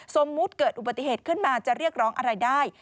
สมมุติเกิดอุบัติเหตุขึ้นมาจะเรียกร้องอะไรได้